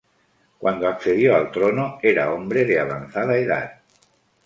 Cuando accedió al trono, era hombre de avanzada edad.